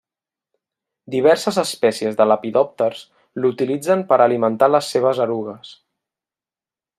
Diverses espècies de lepidòpters l'utilitzen per alimentar les seves erugues.